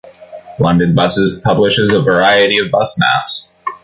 London Buses publishes a variety of bus maps.